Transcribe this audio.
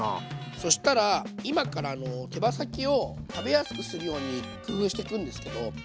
そしたら今から手羽先を食べやすくするように工夫していくんですけど。